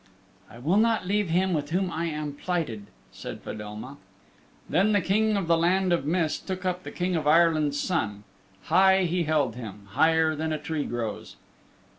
"I will not leave him with whom I am plighted," said Fedelma. Then the King of the Land of Mist took up the King of Ireland's Son. High he held him higher than a tree grows.